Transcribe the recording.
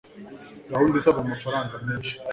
gahunda isaba amafaranga menshi